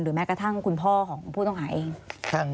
แม้กระทั่งคุณพ่อของผู้ต้องหาเอง